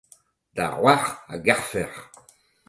da c'hoar a garfec'h.